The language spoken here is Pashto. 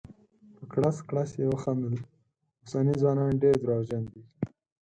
په کړس کړس یې وخندل: اوسني ځوانان ډير درواغجن دي.